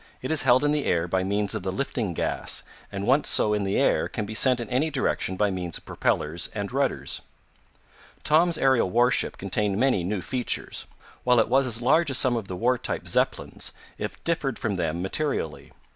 It is held in the air by means of the lifting gas, and once so in the air can be sent in any direction by means of propellers and rudders. Tom's aerial warship contained many new features. While it was as large as some of the war type Zeppelins, it differed from them materially.